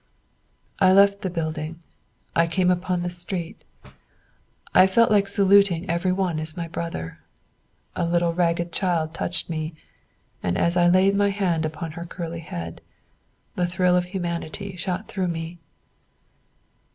I left the building; I came upon the street. I felt like saluting every one as my brother. A little ragged child touched me, and as I laid my hand upon her curly head, the thrill of humanity shot through me.